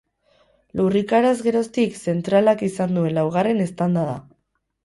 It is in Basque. Lurrikaraz geroztik zentralak izan duen laugarren eztanda da.